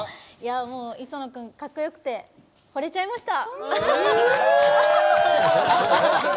もう、磯野君かっこよくてほれちゃいました。